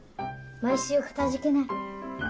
毎週かたじけない。